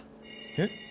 えっ？